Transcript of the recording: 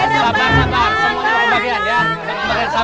dekat dekat dekat